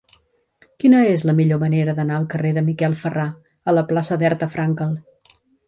Quina és la millor manera d'anar del carrer de Miquel Ferrà a la plaça d'Herta Frankel?